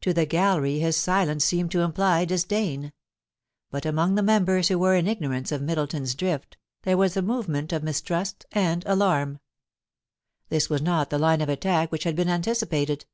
To the gallery his silence seemed to imply disdain ; but among the members who were in ignorance of Middleton's drift, there was a movement of mistrust and alarm. This was not the line of attack which had been anticipated.